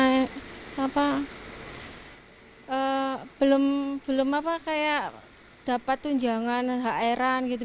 belum apa kayak dapat tunjangan hak airan gitu